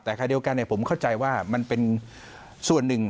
แต่คราวเดียวกันผมเข้าใจว่ามันเป็นส่วนหนึ่ง